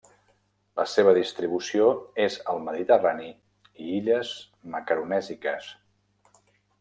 La seva distribució és al Mediterrani i illes Macaronèsiques.